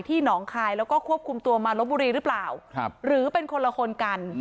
หนองคายแล้วก็ควบคุมตัวมาลบบุรีหรือเปล่าหรือเป็นคนละคนกัน